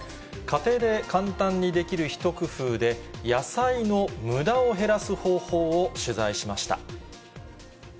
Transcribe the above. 家庭で簡単にできる一工夫で、野菜のむだを減らす方法を取材しました。